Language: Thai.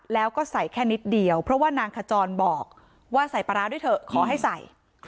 แล้วก็ใส่แค่นิดเดียวเพราะว่านางขจรบอกว่าใส่ปลาร้าด้วยเถอะขอให้ใส่